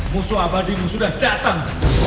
musuh abadimu sudah datang